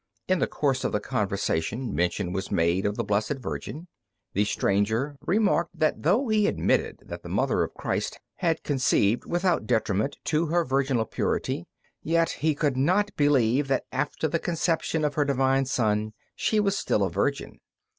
In the course of the conversation mention was made of the Blessed Virgin. The stranger remarked that though he admitted that the Mother of Christ had conceived without detriment to her virginal purity, yet he could not believe that after the conception of her divine Son she was still a virgin.